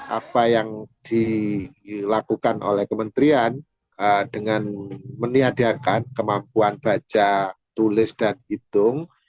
apa yang dilakukan oleh kementerian dengan meniadakan kemampuan baca tulis dan hitung